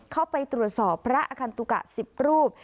เข้าไปตรวจสอบพระอคันตุกะ๑๐รูป